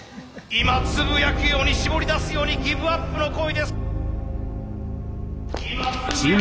今つぶやくように絞り出すようにギブアップの声。